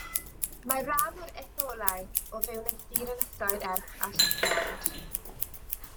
Mae rhan o'r etholaeth o fewn y sir Ynysoedd Erch a Shetland.